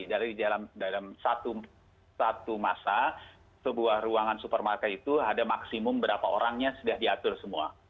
jadi dalam satu masa sebuah ruangan supermarket itu ada maksimum berapa orangnya sudah diatur semua